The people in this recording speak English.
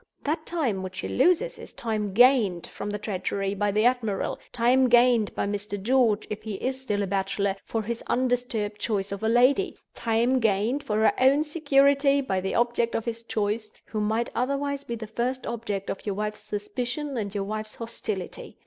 That time which she loses is time gained from her treachery by the admiral—time gained by Mr. George (if he is still a bachelor) for his undisturbed choice of a lady—time gained, for her own security, by the object of his choice, who might otherwise be the first object of your wife's suspicion and your wife's hostility.